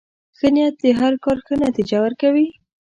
ښه نیت د هر کار ښه نتیجه ورکوي.